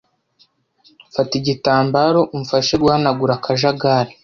Fata igitambaro umfashe guhanagura akajagari.